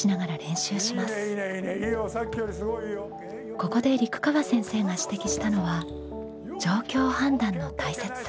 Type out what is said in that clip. ここで陸川先生が指摘したのは状況判断の大切さ。